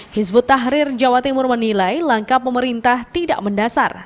hizbut tahrir jawa timur menilai langkah pemerintah tidak mendasar